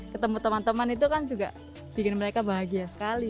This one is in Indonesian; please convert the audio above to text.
ketemu teman teman itu kan juga bikin mereka bahagia sekali